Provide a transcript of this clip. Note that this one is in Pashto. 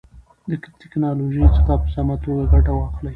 د تکنالوژۍ څخه په سمه توګه ګټه واخلئ.